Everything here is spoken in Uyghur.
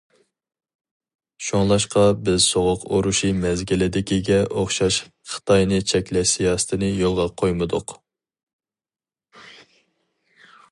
شۇڭلاشقا بىز سوغۇق ئۇرۇشى مەزگىلىدىكىگە ئوخشاش خىتاينى چەكلەش سىياسىتىنى يولغا قويمىدۇق.